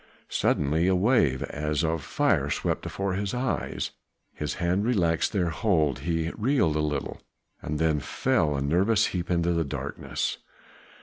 Suddenly a wave as of fire swept before his eyes, his hands relaxed their hold, he reeled a little, and then fell, a nerveless heap, into the darkness.